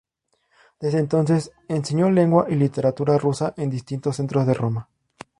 Desde entonces enseñó lengua y literatura rusa en distintos centros de Roma.